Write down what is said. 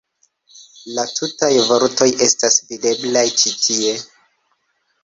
La tutaj vortoj estas videblaj ĉi tie.